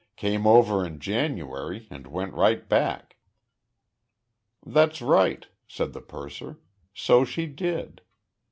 "Came over in January and went right back." "That's right," said the purser, "so she did.